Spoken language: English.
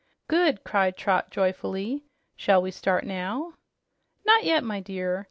"Good!" cried Trot joyfully. "Shall we start now?" "Not yet, my dear.